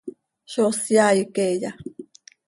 ¿Zó syaai queeya?